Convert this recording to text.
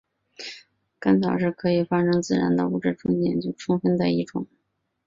干草是可以发生自燃的物质中研究最充分的一种。